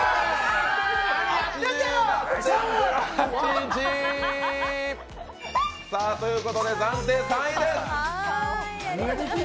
何やってんだよ！ということで暫定３位です。